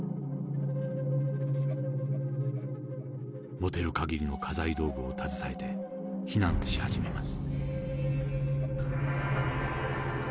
持てる限りの家財道具を携えて避難し始めます。